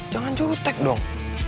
jangan jutek dong